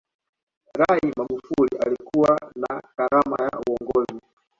rai magufuli alikuwa na karama ya uongozi